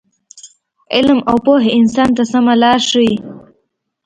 علم او پوهه انسان ته سمه لاره ښیي.